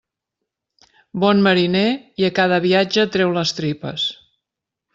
Bon mariner, i a cada viatge treu les tripes.